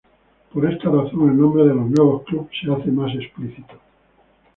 Por esta razón el nombre de los nuevos clubes se hace más explícito.